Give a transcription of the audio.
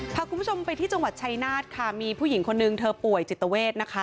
พาคุณผู้ชมไปที่จังหวัดชายนาฏค่ะมีผู้หญิงคนนึงเธอป่วยจิตเวทนะคะ